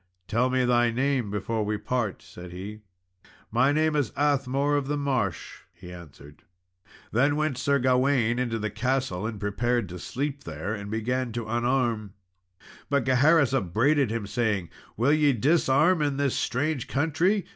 "Tell me thy name before we part," said he. "My name is Athmore of the Marsh," he answered. Then went Sir Gawain into the castle, and prepared to sleep there and began to unarm; but Gaheris upbraided him, saying, "Will ye disarm in this strange country?